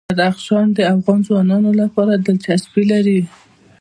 بدخشان د افغان ځوانانو لپاره دلچسپي لري.